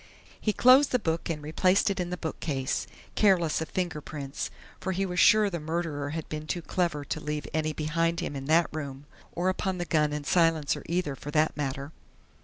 He closed the book and replaced it in the bookcase, careless of fingerprints, for he was sure the murderer had been too clever to leave any behind him in that room or upon the gun and silencer either, for that matter.